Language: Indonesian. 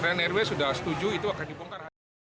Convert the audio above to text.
karena nrw sudah setuju itu akan dibongkar